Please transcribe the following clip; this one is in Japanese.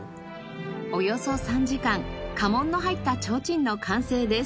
およそ３時間家紋の入った提灯の完成です。